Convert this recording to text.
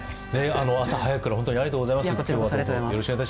朝早くから本当にありがとうございます。